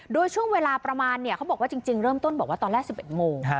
โดยช่วงเวลาประมาณเนี้ยเขาบอกว่าจริงจริงเริ่มต้นบอกว่าตอนแรกสิบเอ็ดโงค์ฮะ